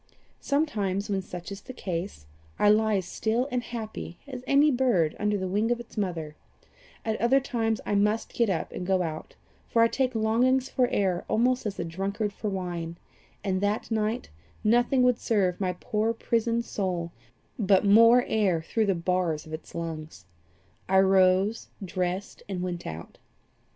Sometimes, when such is my case, I lie as still and happy as any bird under the wing of its mother; at other times I must get up and go out, for I take longings for air almost as a drunkard for wine, and that night nothing would serve my poor prisoned soul but more air through the bars of its lungs. I rose, dressed, and went out.